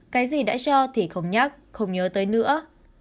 cái gì đã cho thì không nhắc không nhớ tới nữa